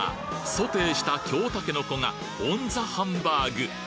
ソテーした京たけのこがオンザハンバーグ。